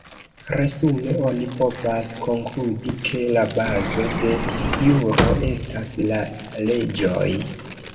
Resume oni povas konkludi ke la bazo de juro estas la leĝoj.